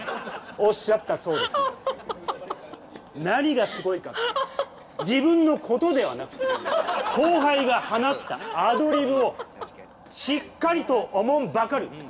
何がすごいかって自分のことではなく後輩が放ったアドリブをしっかりとおもんぱかる。